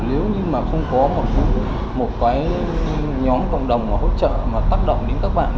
nếu như mà không có một cái nhóm cộng đồng mà hỗ trợ mà tác động đến các bạn